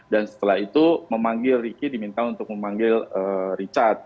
dan setelah itu memanggil ricky diminta untuk memanggil richard